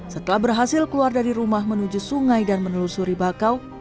setelah berhasil keluar dari rumah menuju sungai dan menelusuri bakau